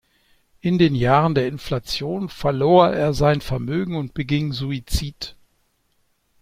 In den Jahren der Inflation verlor er sein Vermögen und beging Suizid.